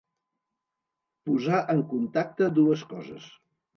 Posar en contacte dues coses.